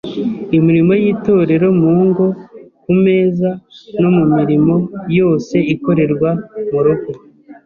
imirimo y’itorero mu ngo, ku meza, no mu mirimo yose ikorerwa mu rugo.